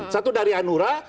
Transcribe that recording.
satu dari anura